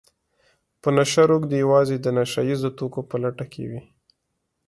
په نشه روږدي يوازې د نشه يیزو توکو په لټه کې وي